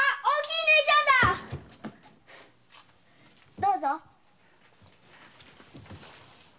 どうぞ。